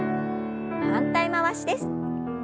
反対回しです。